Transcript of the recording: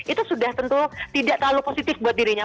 itu sudah tentu tidak terlalu positif buat dirinya